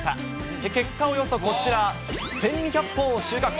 結果はおよそこちら、１２００本を収穫。